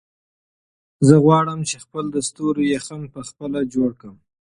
زه غواړم چې خپل د ستورو یخن په خپله جوړ کړم.